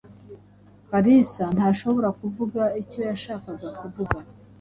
Kalisa ntashobora kuvuga icyo yashakaga kuvuga.